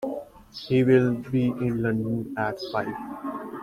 He will be in London at five.